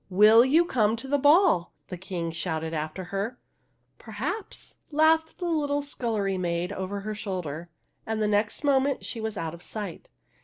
''Will you come to the ball?" the King shouted after her. '' Perhaps !" laughed the little scullery maid over her shoulder, and the next moment she was out of sight.